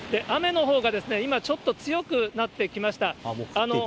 雨のほうが今、ちょっと強くなってきました。